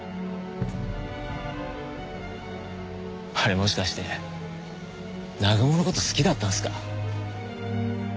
もしかして南雲の事好きだったんすか？